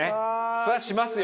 それはしますよ。